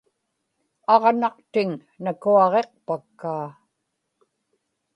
aġnaqtiŋ nakuaġikpakkaa